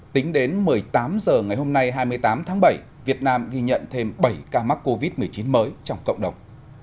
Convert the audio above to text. tính đến một mươi tám h ngày hôm nay hai mươi tám tháng bảy việt nam ghi nhận thêm bảy ca mắc covid một mươi chín mới trong cộng đồng